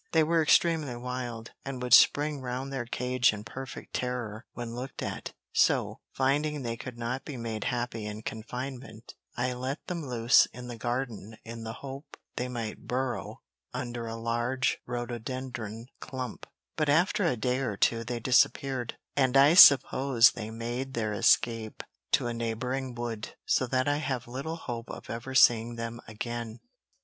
They were extremely wild, and would spring round their cage in perfect terror when looked at, so, finding they could not be made happy in confinement, I let them loose in the garden in the hope they might burrow under a large rhododendron clump, but after a day or two they disappeared, and I suppose they made their escape to a neighbouring wood, so that I have little hope of ever seeing them again.